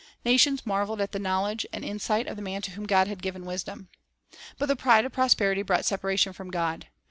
Nations marveled at the knowl edge and insight of the man to whom God had given wisdom. But the pride of prosperity brought separa tion from God.